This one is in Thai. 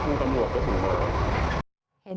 ที่นี่มีปัญหา